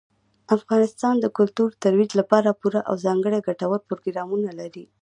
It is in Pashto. افغانستان د کلتور د ترویج لپاره پوره او ځانګړي ګټور پروګرامونه لري.